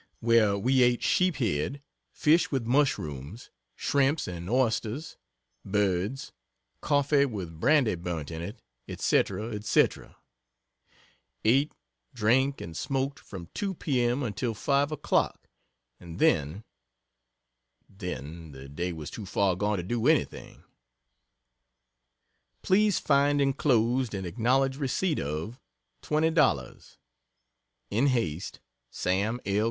where we ate sheep head, fish with mushrooms, shrimps and oysters birds coffee with brandy burnt in it, &c &c, ate, drank and smoked, from 2 p.m. until 5 o'clock, and then then the day was too far gone to do any thing. Please find enclosed and acknowledge receipt of $20.00 In haste SAM L.